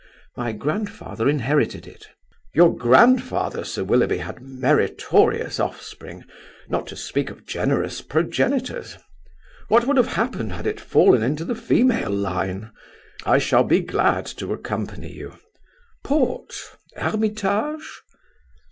"My grandfather inherited it." "Your grandfather, Sir Willoughby, had meritorious offspring, not to speak of generous progenitors. What would have happened had it fallen into the female line! I shall be glad to accompany you. Port? Hermitage?"